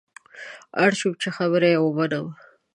اړ شوم چې خبره یې ومنم.